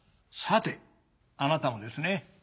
さてあなたもですね